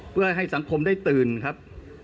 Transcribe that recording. เพื่อให้สังคมได้ตื่นครับ